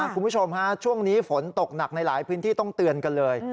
คุณผู้ชมฮะช่วงนี้ฝนตกหนักในหลายพื้นที่ต้องเตือนกันเลย